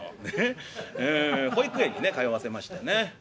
保育園にね通わせましてねうん。